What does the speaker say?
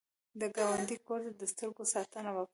د ګاونډي کور ته د سترګو ساتنه وکړه